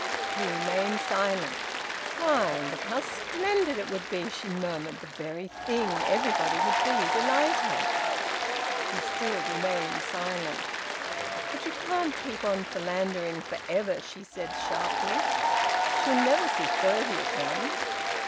He remained silent. "Why look how splendid it would be!" she murmured. "The very thing! Everybody would be delighted!" He still remained silent. "But you can't keep on philandering for ever!" she said sharply. "She'll never see thirty again!